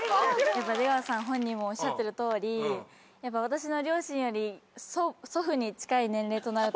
やっぱ出川さん本人もおっしゃってるとおり私の両親より祖父に近い年齢となると。